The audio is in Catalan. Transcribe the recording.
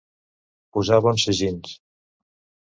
Posar bons sagins.